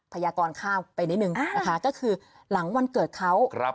พยากรข้ามไปนิดนึงนะคะก็คือหลังวันเกิดเขา